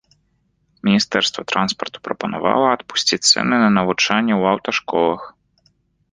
Міністэрства транспарту прапанавала адпусціць цэны на навучанне ў аўташколах.